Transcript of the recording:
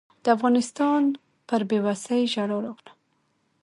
د افغانستان پر بېوسۍ ژړا راغله.